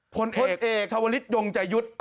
คนเอกชาวฤิษฐ์ยงจะยุทธ์